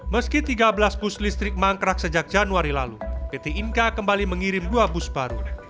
meski tiga belas bus listrik mangkrak sejak januari lalu pt inka kembali mengirim dua bus baru